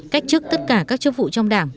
cách chức tất cả các chức vụ trong đảng